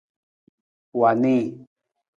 Wa nii.